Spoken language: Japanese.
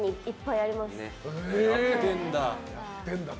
やってんだ。